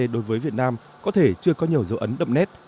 đối với việt nam có thể chưa có nhiều dấu ấn đậm nét